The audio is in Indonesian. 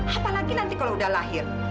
apalagi nanti kalau udah lahir